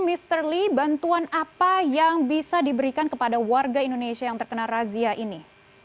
mr lee bantuan apa yang bisa diberikan kepada warga indonesia yang terkena razia ini